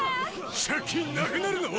・・借金なくなるの⁉・・